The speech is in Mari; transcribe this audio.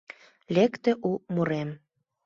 Лекте у мурем